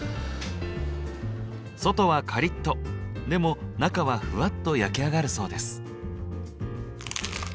外はカリッとでも中はふわっと焼き上がるそうです。